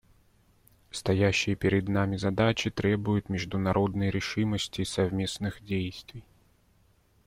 Стоящие перед нами задачи требуют международной решимости и совместных действий.